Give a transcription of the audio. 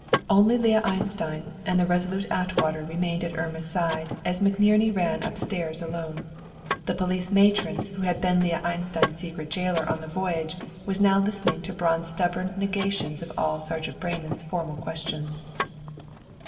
Only Leah Einstein and the resolute Atwater remained at Irma's side as McNerney ran upstairs alone. The police matron who had been Leah Einstein's secret jailer on the voyage was now listening to Braun's stubborn negations of all Sergeant Breyman's formal questions.